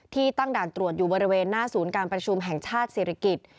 ตั้งด่านตรวจอยู่บริเวณหน้าศูนย์การประชุมแห่งชาติศิริกิจ